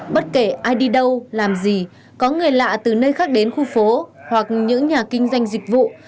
bất kể ai đi đâu làm gì có người lạ từ nơi khác đến khu phố hoặc những nhà kinh doanh dịch vụ